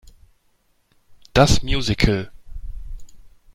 Das Musical.